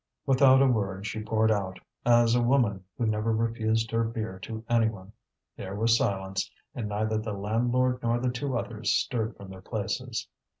Without a word she poured out, as a woman who never refused her beer to any one. There was silence, and neither the landlord nor the two others stirred from their places.